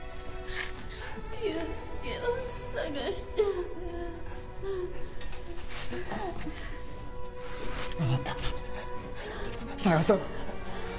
憂助を捜して分かった捜そう